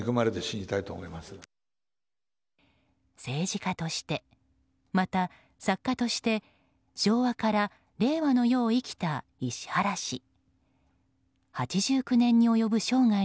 政治家として、また作家として昭和から令和の世を生きた石原氏。